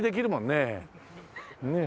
ねえ。